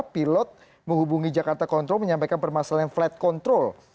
pilot menghubungi jakarta control menyampaikan permasalahan flight control